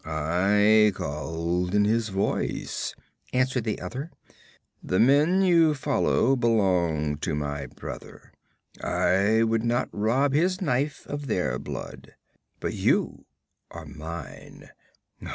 'I called in his voice,' answered the other. 'The men you follow belong to my brother; I would not rob his knife of their blood. But you are mine.